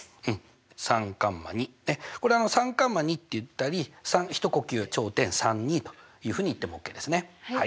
これ３カンマ２って言ったり一呼吸頂点３２というふうに言ってもオッケーですね。